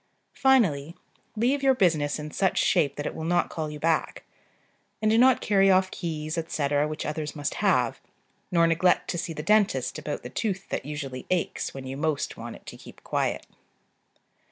Finally, leave your business in such shape that it will not call you back; and do not carry off keys, &c., which others must have; nor neglect to see the dentist about the tooth that usually aches when you most want it to keep quiet.